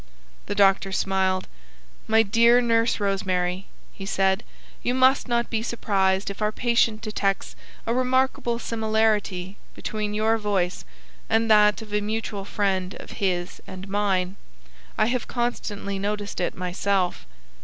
The doctor smiled. "My dear Nurse Rosemary," he said, "you must not be surprised if our patient detects a remarkable similarity between your voice and that of a mutual friend of his and mine. I have constantly noticed it myself."